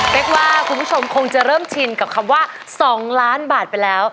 กว่าคุณผู้ชมคงจะเริ่มชินกับคำว่า๒ล้านบาทไปแล้ว